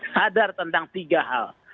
sadar tentang tiga hal